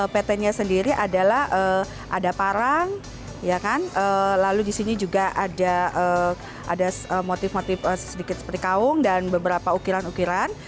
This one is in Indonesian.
pt nya sendiri adalah ada parang lalu di sini juga ada motif motif sedikit seperti kaung dan beberapa ukiran ukiran